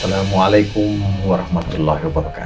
assalamualaikum warahmatullahi wabarakatuh